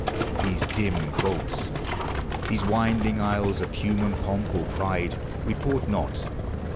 These dim vaults, These winding aisles, of human pomp or pride Report not.